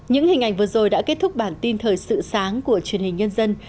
những hình ảnh vừa rồi đã kết thúc bản tin thời sự sáng của truyền hình nhân dân